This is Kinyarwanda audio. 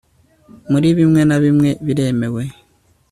muri bimwe na bimwe biremewe